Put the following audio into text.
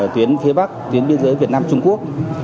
tuyến phía bắc tuyến biên giới việt nam trung quốc